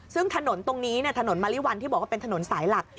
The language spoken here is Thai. ซึ่งถนนตรงนี้ถนนมะลิวัลที่บอกว่าเป็นถนนสายหลัก